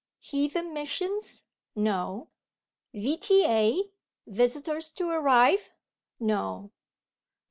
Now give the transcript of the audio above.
heathen missions. No. V.T.A. Visitors to arrive. No.